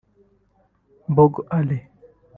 Mbogo Ally